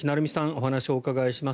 お話をお伺いします。